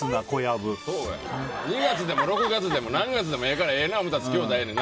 ２月でも６月でも何月でもええからええな思うたら付き合うたらええねん。